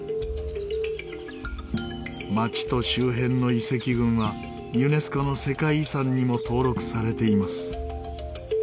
町と周辺の遺跡群はユネスコの世界遺産にも登録されています。